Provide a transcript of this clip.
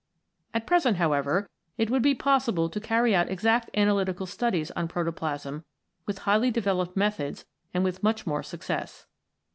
At present, however, it would be possible to carry out exact analytical studies on protoplasm with highly developed methods and with much more success.